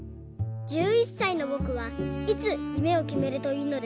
１１さいのぼくはいつゆめをきめるといいのですか？」。